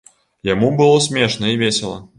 Яму было смешна і весела.